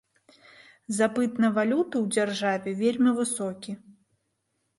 Запыт на валюту ў дзяржаве вельмі высокі.